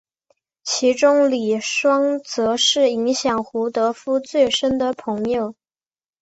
其中李双泽是影响胡德夫最深的朋友。